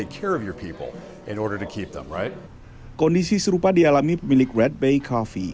kondisi serupa dialami pemilik red bay coffee